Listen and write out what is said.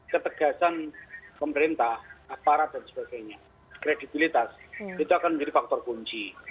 ketegasan pemerintah aparat dan sebagainya kredibilitas itu akan menjadi faktor kunci